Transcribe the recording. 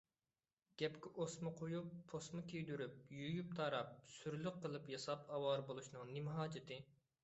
گەپكە ئوسما قويۇپ، پوسما كىيدۈرۈپ، يۇيۇپ - تاراپ، سۈرلۈك قىلىپ ياساپ ئاۋارە بولۇشنىڭ نېمە ھاجىتى؟